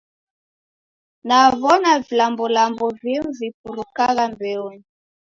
Naw'ona vilambolambo vimu vipurukagha mbeonyi.